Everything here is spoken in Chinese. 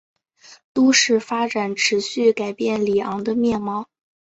都市发展持续改变里昂的面貌。